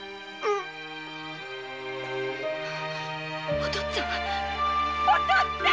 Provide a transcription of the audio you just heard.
お父っつぁんお父っつぁん。